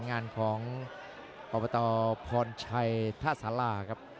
ในงานของอพรชัยทราสาร่าครับ